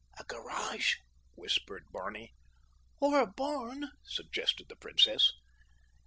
"A garage?" whispered Barney. "Or a barn," suggested the princess.